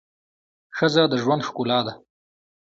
ښځه د ژوند ښکلا ده.